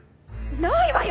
ないわよ